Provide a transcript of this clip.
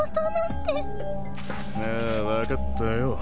ああ分かったよ。